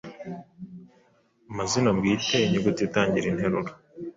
amazina bwite, inyuguti itangira interuro...